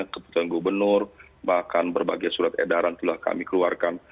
keputusan gubernur bahkan berbagai surat edaran telah kami keluarkan